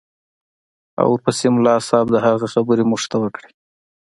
او ورپسې ملا صاحب د هغه خبرې موږ ته وکړې.